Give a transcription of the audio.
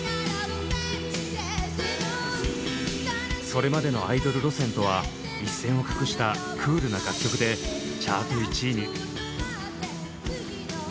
それまでのアイドル路線とは一線を画したクールな楽曲でチャート１位に。